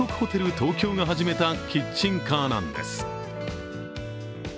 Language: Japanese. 東京が始めたキッチンカーなんです。